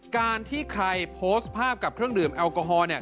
การที่ใครโพสต์ภาพกับเครื่องดื่มแอลกอฮอล์เนี่ย